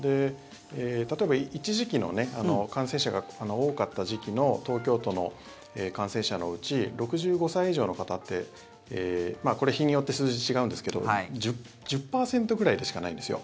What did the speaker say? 例えば、一時期の感染者が多かった時期の東京都の感染者のうち６５歳以上の方ってこれ、日によって数字違うんですけど１０％ぐらいでしかないんですよ。